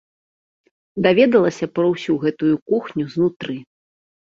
Даведалася пра ўсю гэтую кухню знутры.